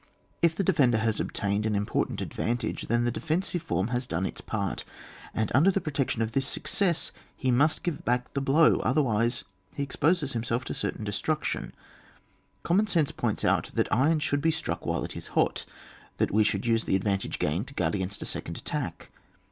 If the defender has obtained an important advantage, then the defensive form has done its*part, and under the protection of this success he must give back the blow, otherwise he exposes himself to certain destruction; common sense points out that iron should be struck while it is hot, that we should use the advantage gained to gfuard against a second attack.